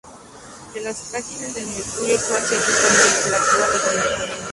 Desde las páginas de "El Mercurio de Francia" dio a conocer la literatura latinoamericana.